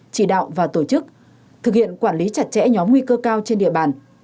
chỉ đạo và tổ chức thực hiện quản lý chặt chẽ nhóm nguy cơ cao trên địa bàn